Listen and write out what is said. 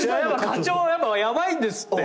課長ヤバいんですって！